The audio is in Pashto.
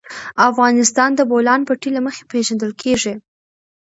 افغانستان د د بولان پټي له مخې پېژندل کېږي.